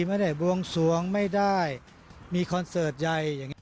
ไม่ได้บวงสวงไม่ได้มีคอนเสิร์ตใหญ่อย่างนี้